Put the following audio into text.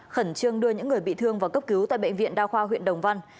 khẩn trương đưa những người bị thương vào cấp cứu tại bệnh viện đa khoa huyện đồng văn